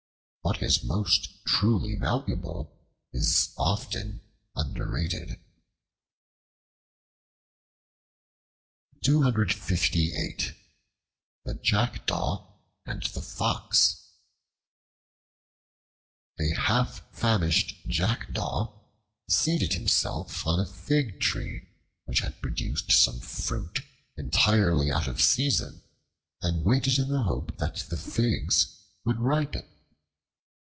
What is most truly valuable is often underrated. The Jackdaw and the Fox A HALF FAMISHED JACKDAW seated himself on a fig tree, which had produced some fruit entirely out of season, and waited in the hope that the figs would ripen.